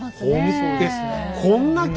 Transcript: そうですねえ。